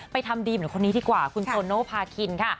ทำดีเหมือนคนนี้ดีกว่าคุณโตโนภาคินค่ะ